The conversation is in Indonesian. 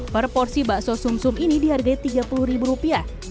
per porsi bakso sum sum ini dihargai tiga puluh ribu rupiah